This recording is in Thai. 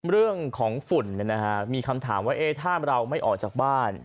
เรื่องของฝุ่นมีคำถามว่าถ้าเราไม่ออกจากบ้าน